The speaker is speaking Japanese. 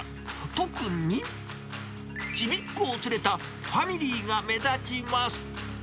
特に、ちびっ子を連れたファミリーが目立ちます。